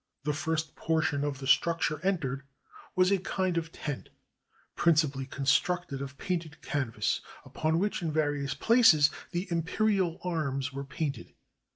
The first portion of the structure entered was a kind of tent, principally con structed of painted canvas, upon which in various places the imperial arms were painted.